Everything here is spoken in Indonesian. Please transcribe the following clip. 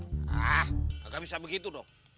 hah gak bisa begitu dong